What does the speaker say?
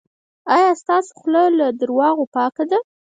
ایا ستاسو خوله له درواغو پاکه ده؟